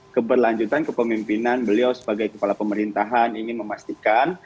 keberlanjutan kepemimpinan beliau sebagai kepala pemerintahan ingin memastikan